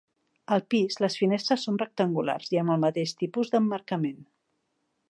Al pis, les finestres són rectangulars i amb el mateix tipus d'emmarcament.